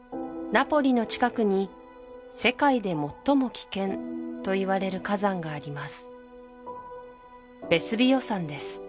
ナポリの近くに「世界で最も危険」といわれる火山があります